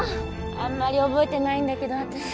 あんまり覚えてないんだけど私。